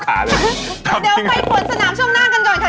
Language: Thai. เดี๋ยวไปฝนสนามช่วงหน้ากันก่อนค่ะ